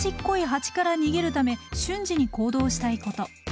ハチから逃げるため瞬時に行動したいこと。